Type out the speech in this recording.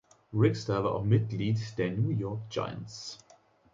Wrighster war auch Mitglied der New York Giants.